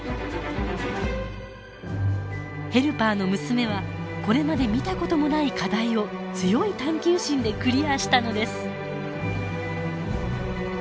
ヘルパーの娘はこれまで見たこともない課題を強い探究心でクリアしたのです。